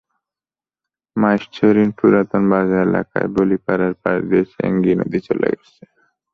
মাইসছড়ি পুরাতন বাজার এলাকার বলিপাড়ার পাশ দিয়ে চেঙ্গি নদী চলে গেছে।